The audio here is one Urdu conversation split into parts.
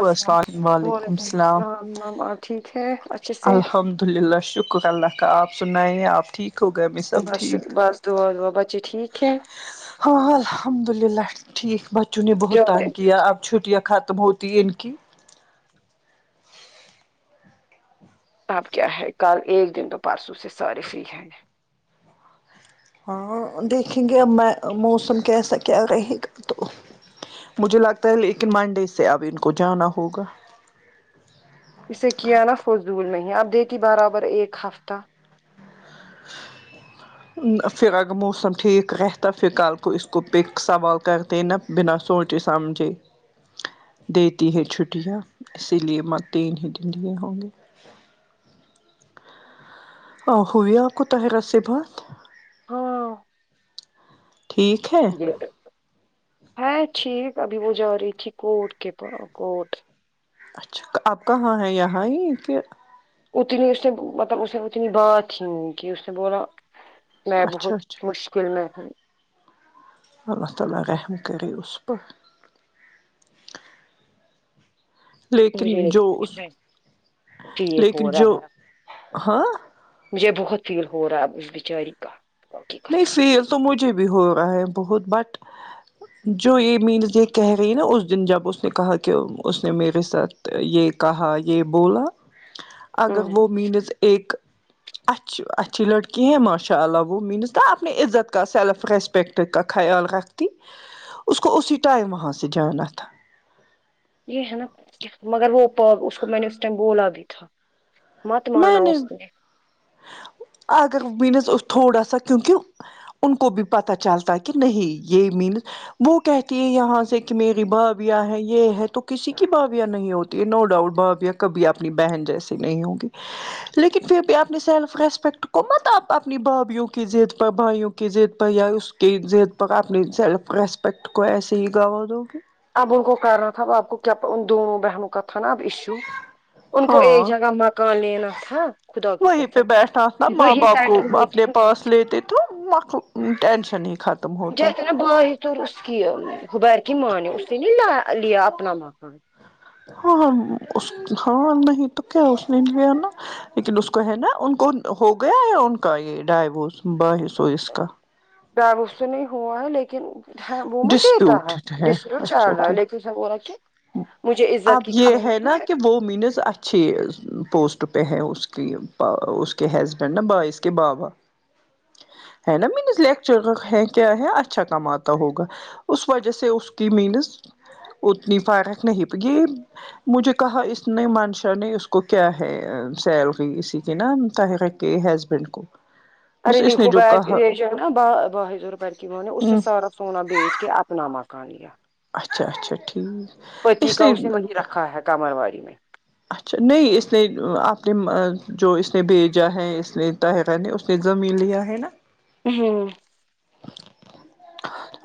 السلام وعلیکم السلام مما ٹھیک ہے اچھے سے الحمد للہ شکر اللہ کا آپ سنائے آپ ٹھیک ہو گئے میں سب بس ٹھیک بس دعا دعا بچے ٹھیک ہے ہاں ہاں الحمد للہ ٹھیک بچوں نے بہت جاتے تنگ کیا اب چھٹیاں ختم تو ہوتی ہے ان کی اب کیا ہے کل ایک دن تو پرسو سے سارے فری ہے ہاں دیکھیں گے اب میں موسم کیسا کیا رہے گا تو مجھے لگتا ہے لیکن منڈے سے اب ان کو جانا ہوگا اسے کیا نا فضول میں ہی آپ دیتی برابر ایک ہفتہ پھر اگر موسم ٹھیک رہتا پھر کل کو اس کو پک سوال کرتے نا بنا سوچے سمجھے دیتی ہیں چھٹیاں اسی لیے مہ تین ہی دن لیے ہوں گے اہ ہوئی آپ کو طاہرہ سے بات ہاں ٹھیک ہے یہ ہے ٹھیک ابھی وہ جا رہی تھی کوٹ کے پا کوٹ اچھا آپ کہاں ہیں یہاں ہی کہ اتنی اس نے مطلب اس نے اتنی بات ہی نہیں کی اس نے بولا میں اچھا بہت اچھا مشکل میں ہوں اللہ تعالی رحم کرے اس پر لیکن جو اس بچے ٹیک ہو لیکن جو رہا ہے ہاں [unintelligible] مجھے بہت فیل ہو رہا ہے اب اس بچاری کا نہیں قسم فیل تو مجھے بھی ہو رہا ہے بہت بٹ جو یہ مینجر کہہ رہی نا اس دن جب اس نے کہا کہ اس نے میرے ساتھ تو یہ کہا یہ بولا اگر وہ مینز ایک اچ اچھی لڑکی ہے ماشاء اللہ وہ مینز تو اپنی عزت کا سیلف ریسپیکٹ کا خیال رکھتی اسس کو اسی ٹائم وہاں سے جانا تھا یہ ہے نا مگر وہ بات اس کو میں نے اس ٹائم بولا بھی تھا مت مانا اس نے اگر ونس تھوڑا سا کیونکہ ان کو بھی پتا چلتا ہے کہ نہیں یہ مینس وہ کہتی ہے یہاں سے کہ میری بھابیاں ہے یہ ہے تو کسی کی بھابیاں نہیں ہوتی یہ نو ڈاؤٹ بھابیاں کبھی اپنی بہن جیسی نہیں ہونگی لیکن پھر بھی اپنی سیلف ریسپیکٹ کو مطلب اپنی بھابیوں کی ضد پر بھائیوں کی ضد پر یا اس ایک ضد پر اپنی سیلف ریسپیکٹ کو ایسے ہی گنوا دو گے اب ان کو کرنا تھا ا آپ کو کیا ان دونوں بہنوں کا تھا نا اب ایشو ان کو ایک ہاں جگہ مکان لینا تھا خدا کی قسم وہی سیٹل ہو ڈ پاس ل ت تو مکل ٹینشن ہی ہی ختم ہو توا باہر ہی کیوں انوسٹ کیا حبیر کی ماں ہے اس نے نہیں لا لیا اپنا مکان ہاں اس کی ہاں نہیں تو کیا اس نے لیا نا لیکن اس کو ہے نا ان کو ہو گیا یا ان کا یہ ڈائواس بھائی ہے سو اس کا ڈائیوس تو نہیں ہوا ہے لیکن وہ مت دیتا ڈسپیوٹ ہے ڈسیک اچھا ٹھیک [unintelligible] پھر سب وہ رکھے اب یہ ہے نا کہ وہ مینز اچھ چھے پوسٹ پہ ہے اس کی اس کے ہسبینڈ نا بائیس کے بابا ہے نا مین اس لیکچر کا ہے کیا ہے اچھا کماتا ہوگا اس وجہ سے اس کی مینس اتنی فارخ نہیں بکی مجھے کہا اس نے منشا نے اس کو کیا ہے سیلری اسی کی نا کہ ہسبینڈ کو ار بس نہیں اس نے جو ہوبیر کہا [unintelligible] ن ب باہ اس میں ہوں، سارا سونا بیچ کے اپنا مہکا لیا اچھا اچھا ٹھیک پتی کا اس نے مندر رکھا ہے کمر وای میں اچھا نہیں اس نے آپ نے جو اس نے بھیجا ہے اس نے تھا ہے میں نے اس نے زمین لیا ہے نا ہاں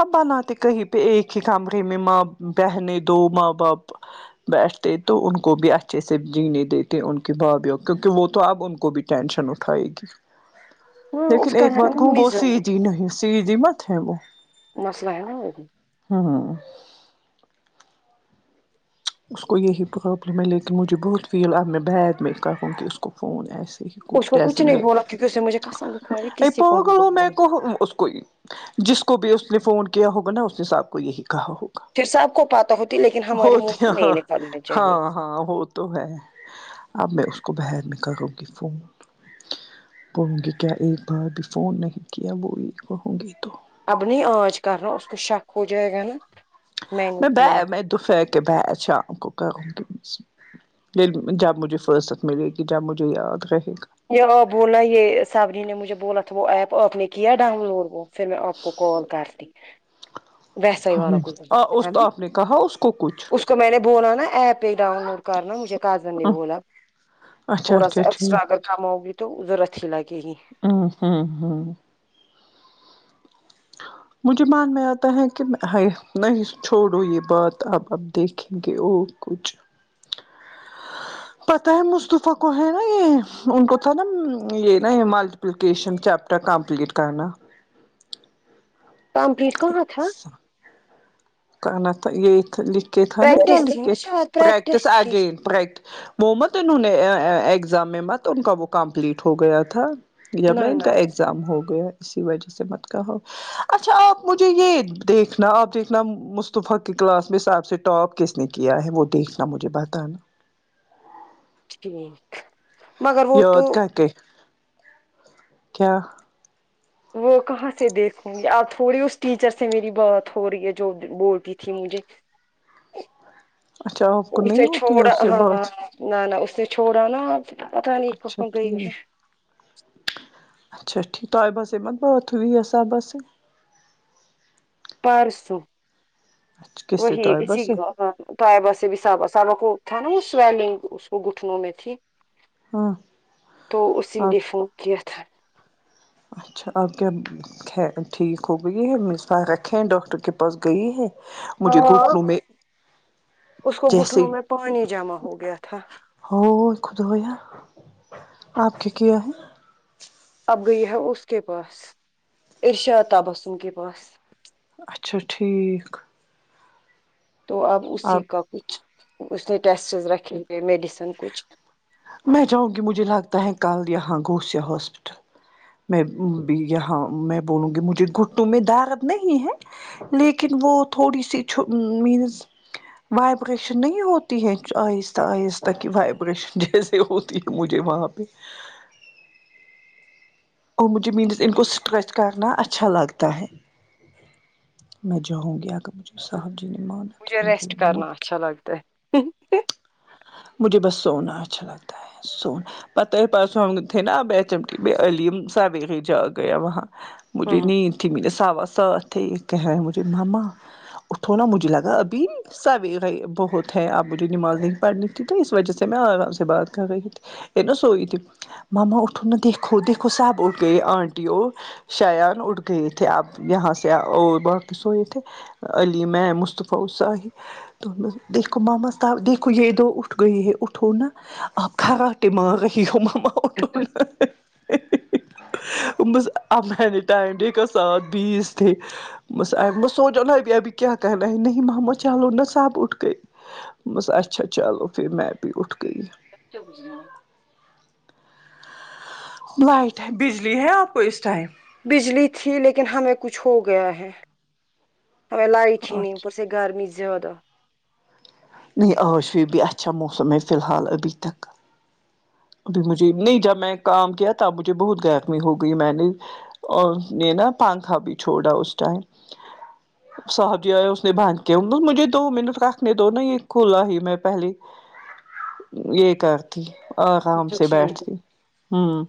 اب بناتے کہیں پہ ایک ہی کمرے میں ماں بہنے دو ماں باپ بیٹھتے تو ان کو بھی اچھا اچھے سے جیننے دیتے ان کی بھابھیوں کیونکہ وہ تو اب ان کو بھی ٹینشن اٹھائے گی ہاں اس لیکن کا ایک ہے نا بات کہوں وہ سی مزاج جی نہیں سی جی مت ہے وہ مسلا ہے نا وہ ہاں ہاں اس کو یہی پرابلم ہے لیکن مجھے بہت فیل آ میں بیگ میں ہی کہوں کہ اس کو فون ایسے ہی اس کو ایس کچھ نہیں بولا کیونکہ اس نے مجھے قسم دکھائی ا کسی کو نہیں پگوں میں بولا کو اس کوئی جس کو بھی اس نے فون کیا ہوگا نا اس نے صاحب کو یہی کہا ہوگا پھر سےاب کو پاتا ہوتی لیکن ہمارے منہ ہوتی سے نہیں نکالنا چاہیے ہاں ہاں وہ تو ہے اب میں اس کو بر میں کروں گی فون پولھوں گی کیا ایک بار بھی فون نہیں کیا وہی پڑھوں گی تو اب نہیں آج کرنا اس کو شک ہو جائے گا نا نے میں ب کیا میں دوپہر کے ب شام کو کروں گی جب مجھے فرصت ملے گی جب مجھے یاد رہے گا یہ آ بولا یہ سبنی نے مجھے بولا تھا وہ ایپ آپ نے کیا ڈاؤن لوڈ وہ پھر میں آپ کو کال کرتی ویسا ہی ولو گا کوہے اس تو نہ آپ نے کہا اس کوکچھ اس کو میں نے بونا نا ایپ پہ ڈاؤن لوڈ کرنا مجھے کازن نہیں بولا اچھا اچھا ٹھیک کب آؤگی تو ضرور اچھی لگے گی اں ہاں ہاں مجھے مان میں آتا ہے کہ نہیں چھوڑو یہ بات اب اب دیکھیں گے اور کچھ پتہ ہے مصطفی کو ہے نا یہ ان کو تھا نا یہ نا یہ مالک اپپلییکیشن چیپٹر کمپلیٹ کرنا کمپلیٹ کہاں تھا کر نا تھا یہ لکھ کے تھا نا کیا پریکٹس لکھ تھی نا کے تھا شاید پرییکٹس پریکٹس تھی اگین پرییکٹس مت انہوں نے ایگزام میں مت تو ان کا وہ کمپلیٹ ہو گیا تھا جب نا نہ ان کا نہ ایگزام ہو گیا ہے اسی وجہ سے مت کہ اچھا آپ مجھے یہ دیکھنا آپ دیکھنا مصطفی کی کلاس میں سب سے آب سے ٹاپ کس نے کیا ہے وہ دیکھنا مجھے بتانا ٹھیک مگر وہ یاد تو کر کے کیا وہ کہاں سے دیکھوں گی آپ تھوڑی اس ٹیچر سے میری بات ہو رہی ہے جو بولتی تھی مجھے اچھا آپ کو نہیں جسے ہوتی ہے چھوڑا اس سے ہاں بات نہ نہ اس نے چھوڑا نا آپ اچھا ٹھیک اچھا ٹھیک توایبا مت بات ہوی سہ بس پار سو اچھا کس سے وہی طیبہ اسی سے کا ہ توئے بس بھی سابا سابا کو تھا نا وہ سویلنگ اس کو گٹنوں میں تھی ہاں تو اسی آپ نے فون کیا تھا اچھا آپ خیر ٹھیک ہو گئی ہے مصبال رکھے ہیں ڈاکٹر کے پاس گئی ہے مجھے ہاں گھٹنوں میں اس کو جیسے گٹنوں میں پانی جمع ہو گیا تھا ہو خدایا آپ کیا ہے اب گئی ہے اس کے پاس ارشاد تبسم کے پاس اچھا ٹھیک تو اب اسی کا کچھ اس نے ٹیسٹ رکھے ہوئے میڈیسن کچھ میں چاہوں گی مجھے لگتا ہے کل یہاں گھوشیا ہاسپیٹل میں بھی یہاں میں بولوں گی مجھے گھٹوں میں دارد نہیں ہے لیکن وہ تھوڑی سی چه مینز وائبریشن نہیں ہوتی ہے آہستہ آہستہ کی وائبریشن جیسے وہ ہوتی مجھے وہاں پہ اور مجھے مینس ان کو اسٹریچ کرنا اچھا لگتا ہے میں جاؤں گی اگر مجھے صاحب جی نے مان مجھے ریسٹ کرنا اچھا لگتا ہے مجھے بس سونا اچھا لگتا ہے سونا پتہ ہے پیسے ہم لوگ تھے نا چمکی علیم سویرے جا گیا وہاں مجھے نیند تھی میرے ساوا ساتھ تھے یہ کہہ رہے ہیں مجھے مما اٹھوناا مجھے لگا ابھی سو بہت ہیں آپ مجھے نماز نہیں پڑھنی تو اس وجہ سے میں اسے بات کر رہی ا نا سوئی تھی ماما اٹھوں نہا دھو دیکھو سب اٹھ گئے آنٹی وہ شیان اٹھ گئے تھے اب یہاں سے اور واپس ہوئے تھے علی میں مصطفی اصحی دیکھو ممس دیکھو یہ توہ اٹھگئی ہے اٹھو نا اپ خراٹے مار رہی ہو مما ہمم م ابان ٹائم بھی کا ساتھ بیس تھی سوچو نب ابھی کیا کر نہیں ماما چولو نا سب اٹھ گئی بس اچھا چلو پھر میں بھی اٹھ گئی ک بجنا لائٹ ہے بجلی ہے آپ کو اس ٹائم بجلی تھی لیکن ہمیں کچھ ہو گیا ہے ہمیں لائٹ ہی نہیں اپر اچھا سے گرمی زیادہ نہیں آج پھر بھی اچھا موسم ہے فی الحال ابھی تک ابھی مجھے نہیں جب میں کام کیا تب مجھے بہت گرہمی ہو گئی میں نے اور اس نے نا پنکھا بھی چھوڑا اس ٹائم صاحب جی آئے اس نے باندھ کیا مجھے دو منٹ رکھنے دو نا یہ کھلا ہی میں پہلی یہ کر تی آرام سے بیٹھتی ہوں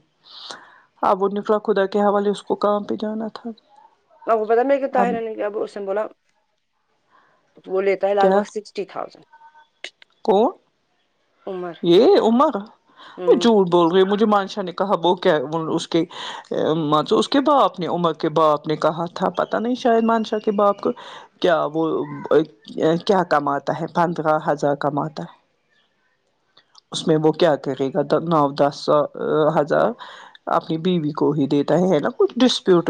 ابو نفر خدا کے حوالے اس کو کہاں پہ جانا تھا اپ کو پتہ ہے میرے کو اب تاحیرا نے کیا کوسچن بولا وہ لیتا ہے لگ کیا بھگ سکس ٹی تھاؤزنڈ کون یہ عمر وہ ہوں جھوٹ بول گئے مجھے مانشاہ نے کہا وہ کیا اس کے م اس کے باپ نے عمر کے باپ نے کہا تھا پتہ نہیں شاید مانشا کے باپ کو کیا بولو وہ کیا کماتا ہے پندرہ ہزار کماتا ہے اس میں وہ کیا کرے گا نو دس سو ہزار اپنی بیوی کو ہی دیتا ہے نا کچھ ڈسپیوٹ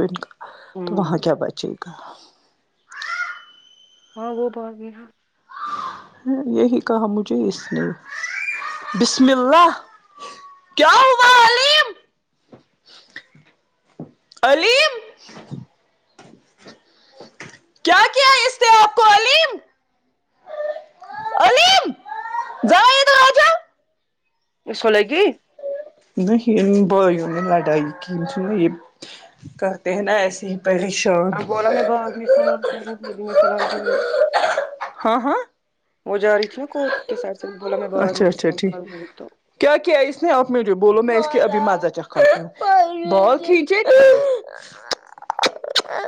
تو وہاں کیا بچے گا ہاں وہ تو ابھی نہ ہاں یہی کھا مجھے اس نے بسم اللہ کیا ہوا علیم علیم کیا کیہ اس نے آپکو علیم علیم جاؤ ادھر آ جاؤ اس کو لگی نہیں یہ باائیون میں لڑائی ک ن یہ کرتے ہے نہ ایسے ہی پریش ا بولا میں بعدمی فون کروں گ بھی میں فی الحال جی ہاں ہاں وہ جا رہی تھی نا کوٹ کے سایڈ سے بولا میں بعد اچھا میں اچھا ٹھیک [unintelligible] گی تو کیا کیا اس نے آپ مجھے بولو میں اس کے ابھی مزہ چکھاؤں گی بال کھینچے آ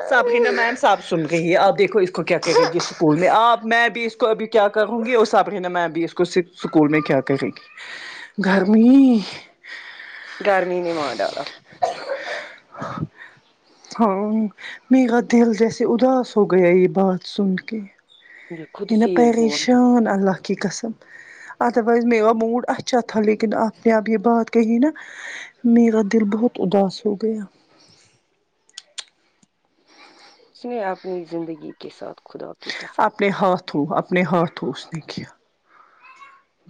سبا میم صاب سن رہی ہے اپ دیکھو اس کو کیا کرے گی اسکول میں آپ میں بھی تو ابھی کیا کہو نگی وہ سب ہے نہ میں بھی اسکے صرف اسکول میں کیا کریگی گرمی گرمی نے مارڈالا ہا ہاں میرا دل جیسے اداس ہو گیا یہ بات سن کے مجھے خود انے فیل ہوا پریشان اللہ کی قسم ادروائیز میرا موڈ اچھا تھا لیکن آپ نے ابھی بات کہی نہ میرا دل بہت اداس ہو گیا اس نے اپنی زندگی کے ساتھ خدا کی قسم تو وہ اپنے ہاتھو اس نے کیا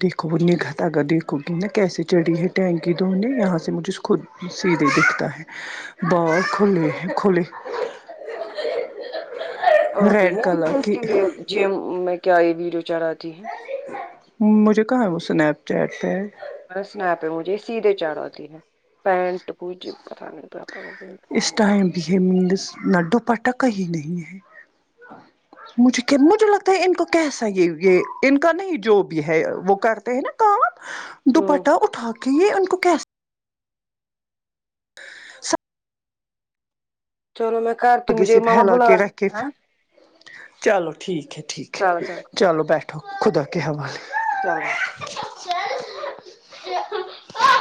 دیکھو وہ نگہت آغا دیکھو گی نا کیسے چڑھی ہے ٹینکی دھونے یہاں سے مجھے اس خود سیدھے سے پتا ہے بال کھولے ہے کھولے آگئی ہوگی کلر اس کی کے لیے جیم میں کیا یہ ویڈیو چڑھاتی ہے مجھے کہاں ہے وہ اسنیپ چیٹ پہ ہے پر سنیپ پے مجھے سیدھے چڑھاتی اتی ہے پینٹ کچھ پتا نہیں کیا پاگل پن ہے اس ٹائم بھی یہ منس نڈو پٹاک ہی نہیں ہے مجھے مجھے لگتا ہے ان کو کیسا یہ یہ ان کا نہیں جو بھی ہے وہ کرتے ہیں نا کام ہوں دوپٹہ اٹھا کے یہ ان کو کیس سر چلو میں کرتی ہوں آگے مجھے سے مما پھیلا بلا کے رہی رکھ ہے کے ہاں چلو ٹھیک ہے ٹھیک چلو چلو ہے چلو بیٹھو خدا کے حوالے چلوونگی